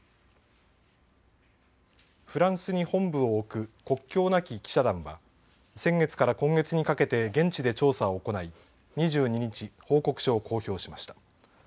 フランスに本部を置く国境なき記者団は先月から今月にかけて現地で調査を行い２２日、報告書を公表しました。